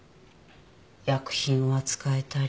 薬品を扱えたり。